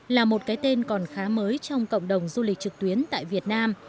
là một cái tên còn khá mới trong cộng đồng du lịch trực tuyến tại việt nam